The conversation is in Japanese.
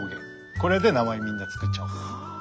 これで名前をみんな作っちゃおう。